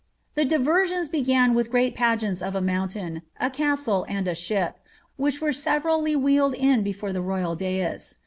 The diversions began with grand pageants of a mountain, a castle, and a ship, which were severally wheeled in before the royal dais.